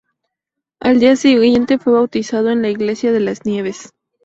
Al día siguiente fue bautizado en la Iglesia de Las Nieves.